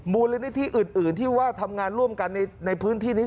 มูลนิธิอื่นที่ว่าทำงานร่วมกันในพื้นที่นี้